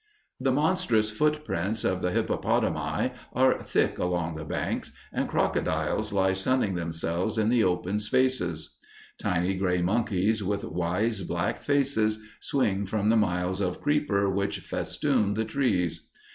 The monstrous footprints of the hippopotami are thick along the banks, and crocodiles lie sunning themselves in the open spaces. Tiny gray monkeys, with wise black faces, swing from the miles of creeper which festoon the trees.